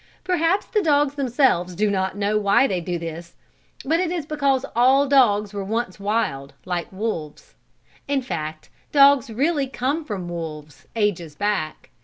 Perhaps the dogs themselves do not know why they do this, but it is because all dogs were once wild, like wolves. In fact dogs really come from wolves, ages back.